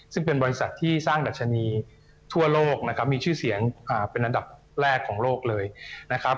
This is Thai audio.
ซึ่งเป็นบริษัทที่สร้างดัชนีทั่วโลกนะครับมีชื่อเสียงเป็นอันดับแรกของโลกเลยนะครับ